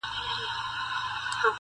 هغه بل پر منبر ستونی وي څیرلی -